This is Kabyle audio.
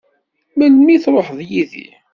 Melmi i tṛuḥeḍ yid-i?